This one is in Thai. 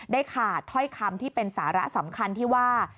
ขาดถ้อยคำที่เป็นสาระสำคัญที่ว่า